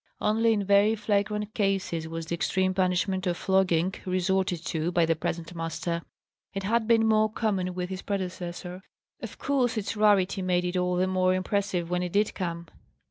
Only in very flagrant cases was the extreme punishment of flogging resorted to by the present master. It had been more common with his predecessor. Of course its rarity made it all the more impressive when it did come.